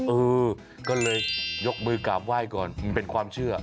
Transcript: เออก็เลยยกมือกราบไหว้ก่อนมันเป็นความเชื่อ